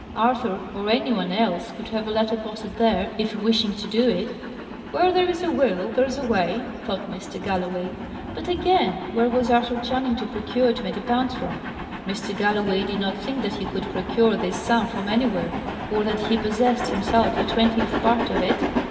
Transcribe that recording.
Arthur, or any one else, could have a letter posted there, if wishing to do it. "Where there's a will, there's a way," thought Mr. Galloway. But again, where was Arthur Channing to procure twenty pounds from? Mr. Galloway did not think that he could procure this sum from anywhere, or that he possessed, himself, a twentieth part of it.